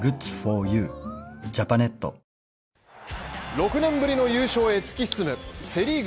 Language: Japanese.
６年ぶりの優勝へ突き進むセ・リーグ